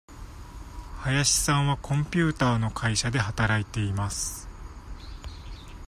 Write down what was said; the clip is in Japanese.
林さんはコンピューターの会社で働いています。